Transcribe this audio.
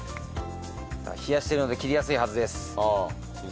冷やしてるので切りやすいはずです。